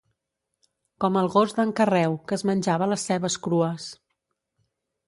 Com el gos d'en Carreu, que es menjava les cebes crues.